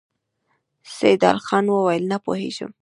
سيدال خان وويل: نه پوهېږم!